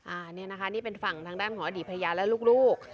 อันนี้นะคะนี่เป็นฝั่งทางด้านของอดีตภรรยาและลูก